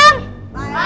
tukang pijit nyasar